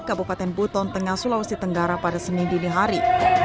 kabupaten buton tengah sulawesi tenggara pada senin dini hari